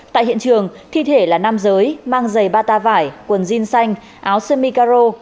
tại hiện trường thi thể là nam giới mang giày bata vải quần jean xanh áo semi caro